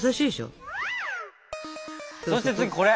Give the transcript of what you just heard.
そして次これ！